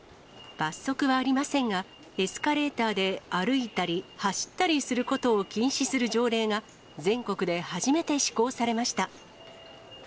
罰則はありませんが、エスカレーターで歩いたり走ったりすることを禁止する条例が、全国で初めて施行されました。